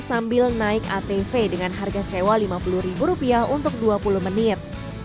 sambil naik atv dengan harga sewa rp lima puluh untuk dua puluh menit